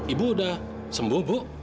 ibu udah sembuh bu